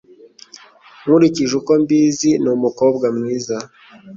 Nkurikije uko mbizi, ni umukobwa mwiza.